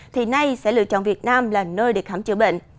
thì nay sẽ lựa chọn việt nam là nơi để khám chữa bệnh